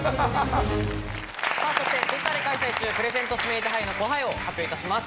さぁそしてＴｗｉｔｔｅｒで開催中プレゼント指名手配のコハエを発表いたします。